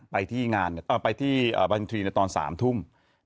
ไปที่บริษัทธุรีตอน๓ทุ่ม